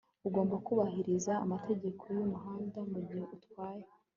Ugomba kubahiriza amategeko yumuhanda mugihe utwaye